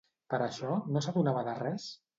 Per això, no s'adonava de res?